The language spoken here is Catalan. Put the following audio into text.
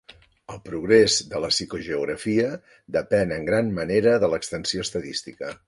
El progrés de la psicogeografia depèn en gran manera de l'extensió estadística.